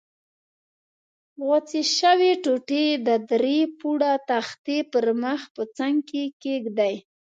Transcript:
غوڅې شوې ټوټې د درې پوړه تختې پر مخ په څنګ کې کېږدئ.